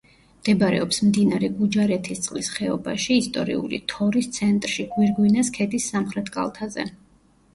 მდებარეობს მდინარე გუჯარეთისწყლის ხეობაში, ისტორიული თორის ცენტრში, გვირგვინას ქედის სამხრეთ კალთაზე.